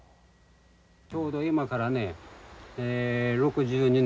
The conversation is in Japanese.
ちょうど今からねええ６２年前です。